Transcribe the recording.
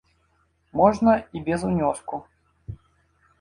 Можна і без унёску.